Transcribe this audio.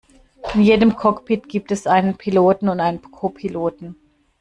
In jedem Cockpit gibt es einen Piloten und einen Co-Piloten